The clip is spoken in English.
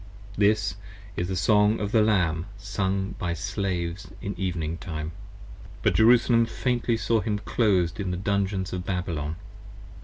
This is the Song of the Lamb, sung by Slaves in evening time. But Jerusalem faintly saw him, clos'd in the Dungeons of Babylon.